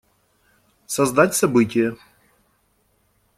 Создать событие.